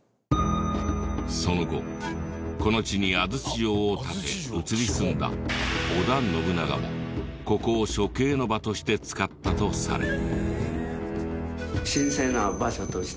その後この地に安土城を建て移り住んだ織田信長もここを処刑の場として使ったとされる。